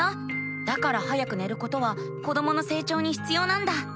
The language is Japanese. だから早く寝ることは子どもの成長にひつようなんだ。